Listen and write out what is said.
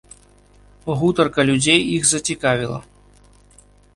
Гутарка людзей іх зацікавіла.